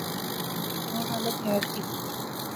ہاں خالق خیر دی